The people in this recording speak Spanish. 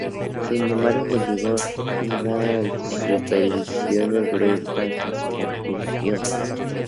Sin embargo, continuó ligado a la supervisión del proyecto hasta su conclusión.